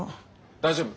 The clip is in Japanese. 大丈夫。